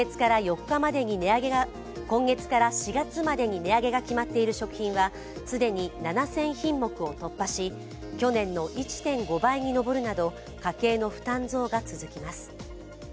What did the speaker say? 今月から４月までに値上げが決まっている食品は、既に７０００品目を突破し、去年の１．５倍に上るなど家計の負担増が続きます。